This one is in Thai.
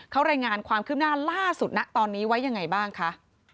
เขารายงานความคืบหน้าล่าสุดนะตอนนี้ไว้ยังไงบ้างคะ